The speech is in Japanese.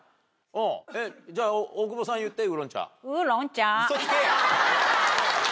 じゃ大久保さん言ってウーロン茶。